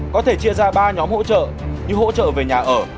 có thể chia ra ba nhóm hỗ trợ như hỗ trợ về nhà ở